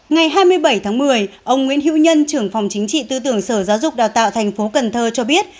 ngày hai mươi bảy tháng một mươi ông nguyễn hữu nhân trưởng phòng chính trị tư tưởng sở giáo dục đào tạo tp hcm cho biết